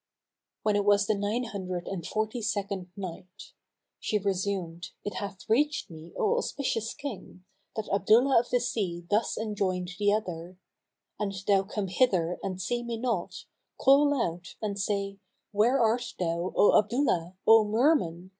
When it was the Nine Hundred and Forty second Night, She resumed, It hath reached me, O auspicious King, that Abdullah of the sea thus enjoined the other, "An thou come hither and see me not, call out and say, 'Where art thou, O Abdullah, O Merman?'